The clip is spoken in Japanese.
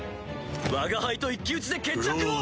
わが輩と一騎打ちで決着を。